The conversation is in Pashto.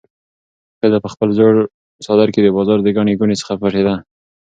ښځه په خپل زوړ څادر کې د بازار د ګڼې ګوڼې څخه پټېده.